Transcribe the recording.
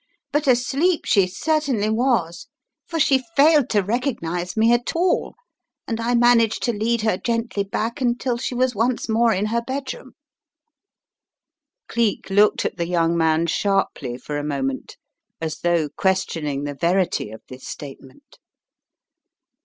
But asleep she cer tainly was, for she failed to recognize me at all, and I managed to lead her gently back until she was once more in her bedroom/' Geek looked at the young man sharply for a moment, as though questioning the verity of this statement.